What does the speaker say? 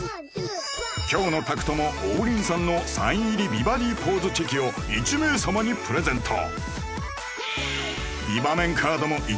今日の宅トモ王林さんのサイン入り美バディポーズチェキを１名様にプレゼント